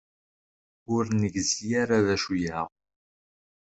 Ur negzi ara d acu-aɣ.